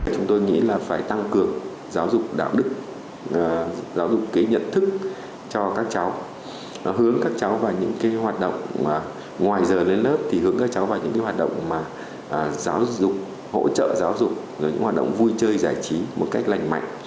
chúng tôi nghĩ là phải tăng cường giáo dục đạo đức giáo dục kế nhận thức cho các cháu hướng các cháu vào những hoạt động ngoài giờ lên lớp hướng các cháu vào những hoạt động hỗ trợ giáo dục hoạt động vui chơi giải trí một cách lành mạnh